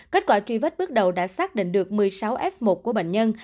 kết quả truy vết bước đầu đã xác định được một mươi sáu f một của bệnh nhân